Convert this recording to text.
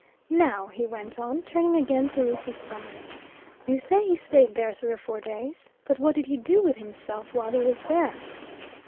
"Now," he went on, turning again to Lucy Summers, "you say he stayed there three or four days. What did he do with himself while he was there?"